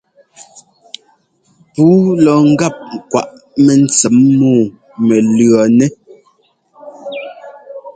Puu lɔ ŋ́gap kwaꞌ mɛntsɛm muu mɛ lʉ̈ɔnɛ́.